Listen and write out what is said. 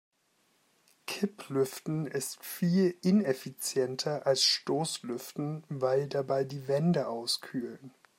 Kipplüften ist viel ineffizienter als Stoßlüften, weil dabei die Wände auskühlen.